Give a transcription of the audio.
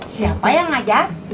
siapa yang ngajar